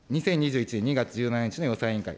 ２０２１年２月１７日の予算委員会。